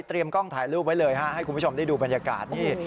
กล้องถ่ายรูปไว้เลยฮะให้คุณผู้ชมได้ดูบรรยากาศนี่